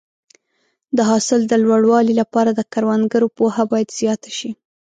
د حاصل د لوړوالي لپاره د کروندګرو پوهه باید زیاته شي.